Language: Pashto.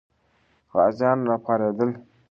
غازیان راپارېدل.